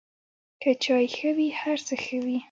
که چای ښه وي، هر څه ښه وي.